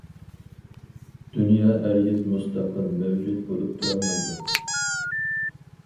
دۇنيا ھەرگىز مۇستەقىل مەۋجۇت بولۇپ تۇرالمايدۇ.